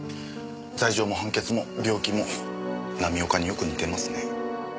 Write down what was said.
罪状も判決も病気も浪岡によく似てますね。